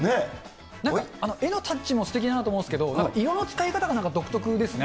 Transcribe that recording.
なんか絵のタッチもすてきだなと思うんですけど、色の使い方が、なんか独特ですね。